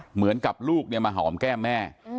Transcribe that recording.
เหมือนกับลูกมาหอมแก้มแม่